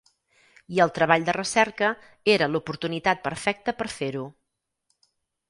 I el Treball de Recerca era l'oportunitat perfecta per fer-ho.